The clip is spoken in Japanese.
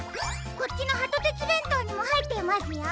こっちのハトてつべんとうにもはいっていますよ。